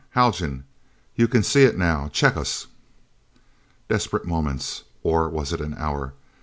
Haljan, you can see it now! Check us!" Desperate moments. Or was it an hour?